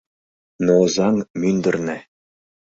Но Озаҥ мӱндырнӧ...